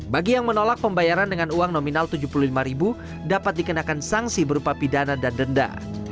bagi yang menolak pembayaran dengan uang nominal rp tujuh puluh lima dapat dikenakan sanksi berupa pidana dan denda